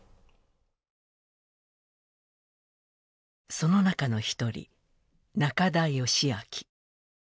その中の一人、中田善秋。